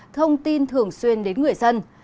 thông tin thường xuyên đến người dân